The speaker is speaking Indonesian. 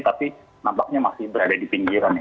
tapi nampaknya masih berada di pinggiran ya